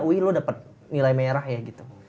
wuih lo dapet nilai merah ya gitu